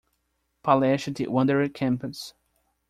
Palestra do Wanderer Campus